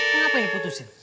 kenapa ini putusin